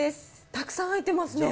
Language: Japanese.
たくさん入ってますね。